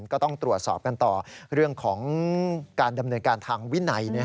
ก็ต้องตรวจสอบกันต่อเรื่องของการดำเนินการทางวินัย